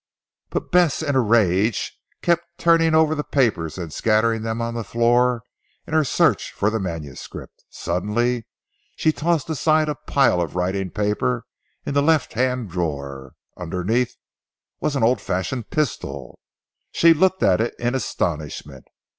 But Bess in a rage kept turning over the papers and scattering them on the floor in her search for the manuscript. Suddenly she tossed aside a pile of writing paper in the left hand drawer. Underneath was an old fashioned pistol. She looked at it in astonishment.